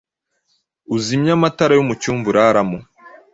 uzimye amatara yo mu cyumba uraramo